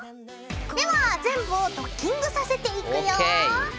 では全部をドッキングさせていくよ。ＯＫ！